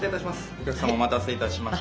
お客さまお待たせいたしました。